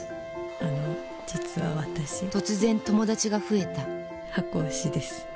あの実は私突然友達が増えた箱推しです。